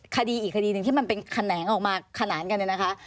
คดีอีกคดีหนึ่งที่มันเป็นแขนงออกมาขนานกันเนี่ยนะคะ